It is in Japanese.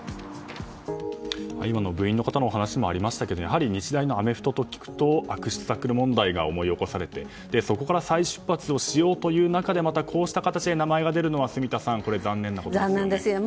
今の部員の方のお話にもありましたけれどもやはり日大のアメフトと聞くと悪質タックル問題が思い起こされて、そこから再出発をしようとした中でまたこうした形で名前が出るのは残念なことですよね。